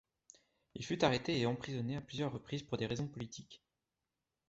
Il fut arrêté et emprisonné à plusieurs reprises pour des raisons politiques.